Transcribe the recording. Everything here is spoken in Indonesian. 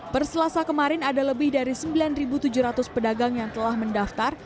perselasa kemarin ada lebih dari sembilan tujuh ratus pedagang yang telah mendaftar